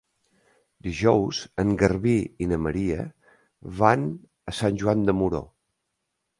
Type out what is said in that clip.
Dijous en Garbí i na Maria van a Sant Joan de Moró.